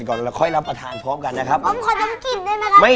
คุณกลับฆัยหรือห่าคุณได้แล้วไหม